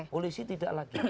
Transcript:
polisi tidak lagi